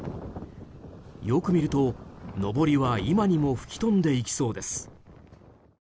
よく見ると、のぼりは今にも吹き飛んでいきそうです。